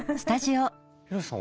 ヒロシさん